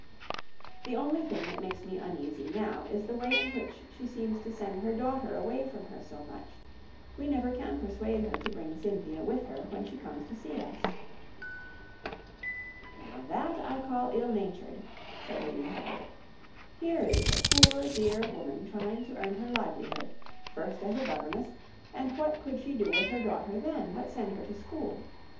The only thing that makes me uneasy now is the way in which she seems to send her daughter away from her so much; we never can persuade her to bring Cynthia with her when she comes to see us." "Now that I call ill natured," said Lady Harriet; "here is a poor dear woman trying to earn her livelihood, first as a governess, and what could she do with her daughter then, but send her to school?